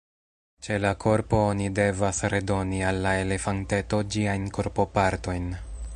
Ĉe la korpo oni devas redoni al la elefanteto ĝiajn korpopartojn.